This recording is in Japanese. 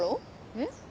えっ？